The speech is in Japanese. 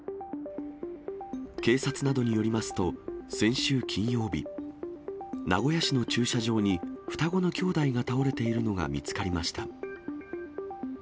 警察などによりますと、先週金曜日、名古屋市の駐車場に双子の兄弟が倒れているのが見つかりました。